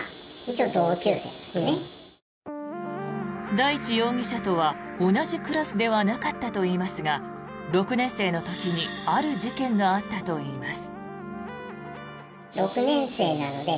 大地容疑者とは同じクラスではなかったといいますが６年生の時にある事件があったといいます。